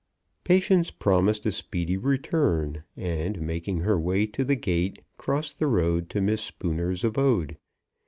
Patience promised a speedy return, and, making her way to the gate, crossed the road to Miss Spooner's abode.